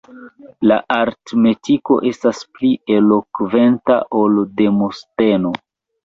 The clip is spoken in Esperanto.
La aritmetiko estas pli elokventa ol Demosteno!